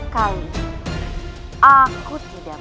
kali aku tidak